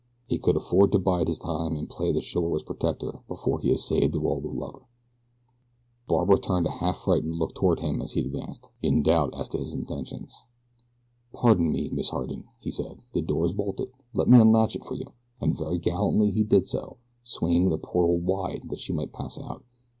He could afford to bide his time, and play the chivalrous protector before he essayed the role of lover. Barbara had turned a half frightened look toward him as he advanced in doubt as to his intentions. "Pardon me, Miss Harding," he said; "the door is bolted let me unlatch it for you," and very gallantly he did so, swinging the portal wide that she might pass out.